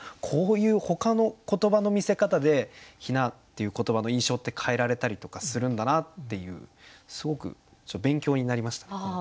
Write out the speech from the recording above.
こういうほかの言葉の見せ方で「雛」っていう言葉の印象って変えられたりとかするんだなっていうすごく勉強になりましたね。